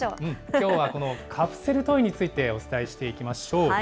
きょうはこのカプセルトイについてお伝えしていきましょう。